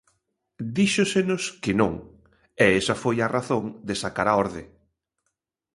Díxosenos que non, e esa foi a razón de sacar a orde.